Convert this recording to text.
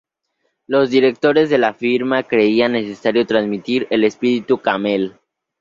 Los directores de la firma creían necesario transmitir "el espíritu Camel".